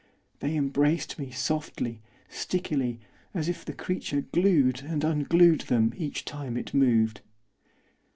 They embraced me softly, stickily, as if the creature glued and unglued them, each time it moved.